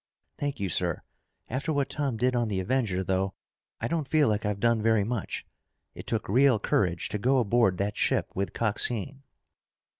"Thank you, sir. After what Tom did on the Avenger, though, I don't feel like I've done very much. It took real courage to go aboard that ship with Coxine."